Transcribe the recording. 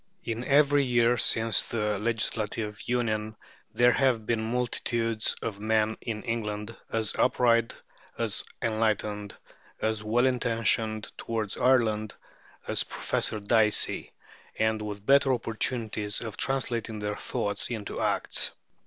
In every year since the Legislative Union there have been multitudes of men in England as upright, as enlightened, as well intentioned towards Ireland, as Professor Dicey, and with better opportunities of translating their thoughts into acts.